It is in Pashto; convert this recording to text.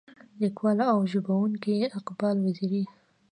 ليکوال او ژباړونکی اقبال وزيري.